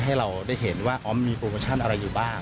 ให้เราได้เห็นว่าออมมีโปรโมชั่นอะไรอยู่บ้าง